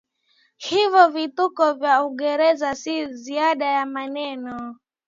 Hivyo vituko vya Uingereza si zaidi ya maeneo